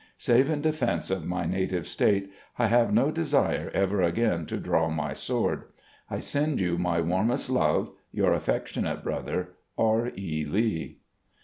Save in defense of my native State, I have no desire ever again to draw my sword. I send you my warmest love. "Your affectionate brother, "R. E. Lee."